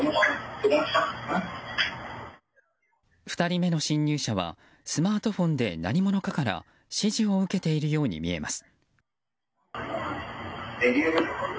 ２人目の侵入者はスマートフォンで何者かから指示を受けているように見えます。